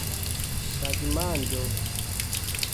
tagmanĝo